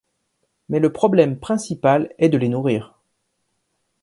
Mais le problème principal est de les nourrir.